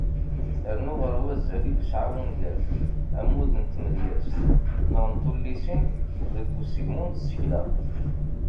Rnu ɣer wazal i yesεa wungal, ammud n tmedyezt neɣ n tullisin, deg usegmu n tsekla.